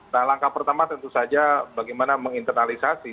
nah langkah pertama tentu saja bagaimana menginternalisasi